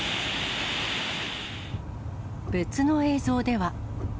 別の映像では。